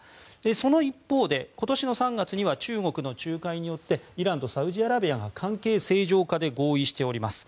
その一方で、今年の３月には中国の仲介によってイランとサウジアラビアが関係正常化で合意しております。